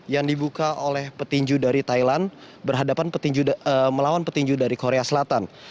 yang dibuka oleh petinju dari thailand berhadapan melawan petinju dari korea selatan